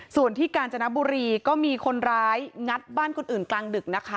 ส่วนที่กาญจนบุรีก็มีคนร้ายงัดบ้านคนอื่นกลางดึกนะคะ